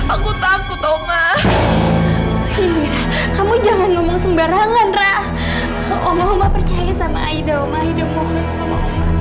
aku takut oma kamu jangan ngomong sembarangan rah oma percaya sama aida oma aida mohon sama